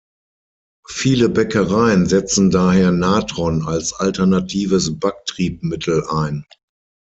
Viele Bäckereien setzen daher Natron als alternatives Backtriebmittel ein.